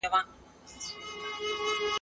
د کار ځواک کمښت د صنعت لپاره ستونزه ده.